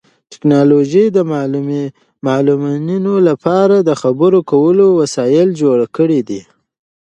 ټیکنالوژي د معلولینو لپاره د خبرو کولو وسایل جوړ کړي دي.